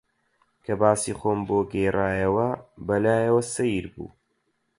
کە باسی خۆم بۆ گێڕایەوە، بە لایەوە سەیر بوو